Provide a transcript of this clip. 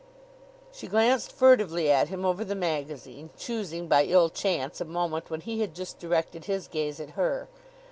She glanced furtively at him over the magazine, choosing by ill chance a moment when he had just directed his gaze at her.